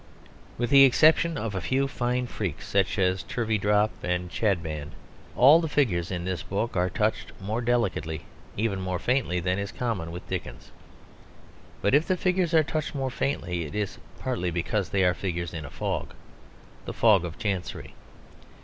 With the exception of a few fine freaks, such as Turveydrop and Chadband, all the figures in this book are touched more delicately, even more faintly, than is common with Dickens. But if the figures are touched more faintly, it is partly because they are figures in a fog the fog of Chancery.